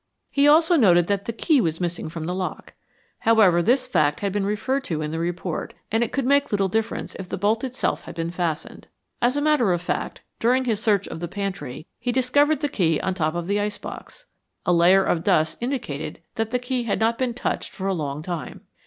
He also noted that the key was missing from the lock. However, this fact had been referred to in the report, and it could make little difference if the bolt itself had been fastened. As a matter of fact, during his search of the pantry, he discovered the key on top of the ice box. A layer of dust indicated that the key had not been touched for a long time.